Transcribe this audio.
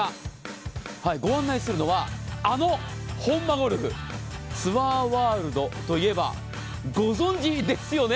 ご案内するのはあの本間ゴルフ、ツアーワールドといえばご存じですよね。